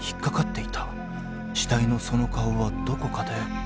［死体のその顔はどこかで］